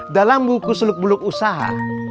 dalam buku seluk beluk usaha